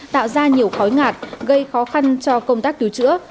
tạo ra nhiều khói ngạt gây khó khăn cho công tác cứu chữa